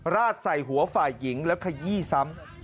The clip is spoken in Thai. ราดใส่หัวฝ่ายหญิงแล้วขยี้ซ้ำ